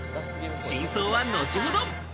真相は後ほど。